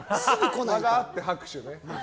間があって拍手ね。